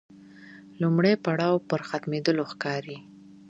لومړی پړاو پر ختمېدلو ښکاري.